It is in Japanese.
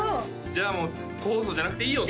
じゃあもう個包装じゃなくていいよと？